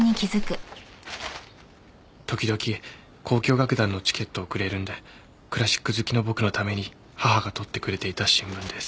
時々交響楽団のチケットをくれるんでクラシック好きの僕のために母が取ってくれていた新聞です。